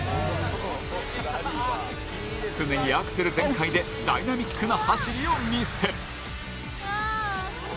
常にアクセル全開でダイナミックな走りを見せる。